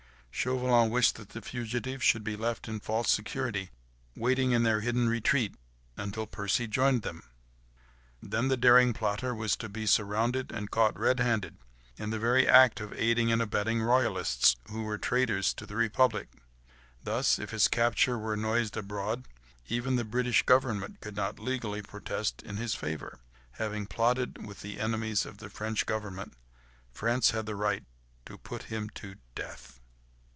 Chauvelin wished that the fugitives should be left in false security waiting in their hidden retreat until Percy joined them. Then the daring plotter was to be surrounded and caught red handed, in the very act of aiding and abetting royalists, who were traitors to the republic. Thus, if his capture were noised abroad, even the British Government could not legally protest in his favour; having plotted with the enemies of the French Government, France had the right to put him to death.